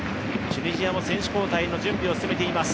チュニジアも選手交代の準備を進めています。